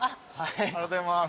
ありがとうございます。